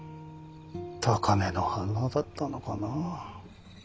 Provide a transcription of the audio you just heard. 高根の花だったのかなあ。